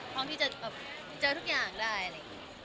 พร้อมที่จะแบบเจอทุกอย่างได้